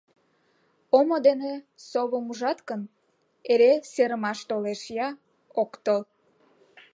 Омо дене совым ужат гын, эре серымаш толеш я.. ок тол.